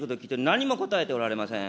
何も答えておられません。